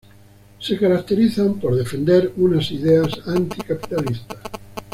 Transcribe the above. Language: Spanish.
Se caracterizan por defender unas ideas anticapitalistas.